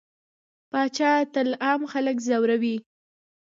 پاچا تل عام خلک ځوروي.